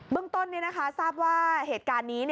เบื้องต้นนี้นะคะทราบว่าเหตุการณ์นี้